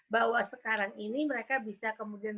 bahwa sekarang ini mereka bisa kemudian